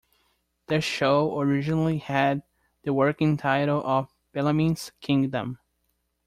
The show originally had the working title of "Bellamy's Kingdom".